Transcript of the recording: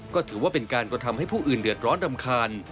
ก็ถือว่าเป็นการกระทำให้ผู้อื่นเดือดร้อนรำคาญ